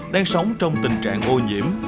đang sống trong tình trạng ô nhiễm